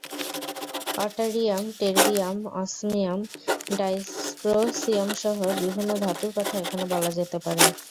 অট্যারিয়াম, terbium, osmium, ডাইস্প্রোসিয়ামসহ বিভিন্ন ধাতুর কথা এখানে বলা যেতে পারে।